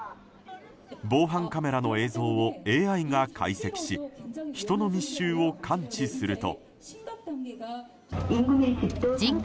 防犯カメラの映像をＡＩが解析し人の密集を感知すると。